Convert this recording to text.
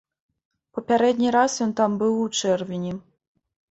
Папярэдні раз ён там быў у чэрвені.